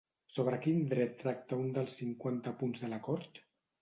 Sobre quin dret tracta un dels cinquanta punts de l'acord?